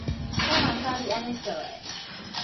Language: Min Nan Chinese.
啥人教你按呢做的？